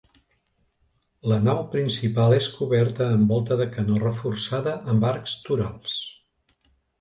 La nau principal és coberta amb volta de canó reforçada amb arcs torals.